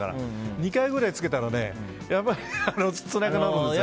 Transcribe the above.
２回くらいつけたらねやっぱりつらくなるんですよね。